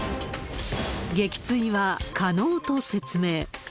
撃墜は可能と説明。